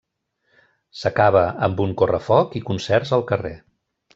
S'acaba amb un correfoc i concerts al carrer.